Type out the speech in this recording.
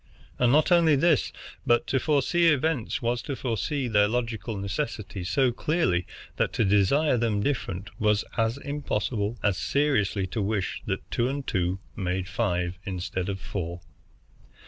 And not only this, but to foresee events was to foresee their logical necessity so clearly that to desire them different was as impossible as seriously to wish that two and two made five instead of four.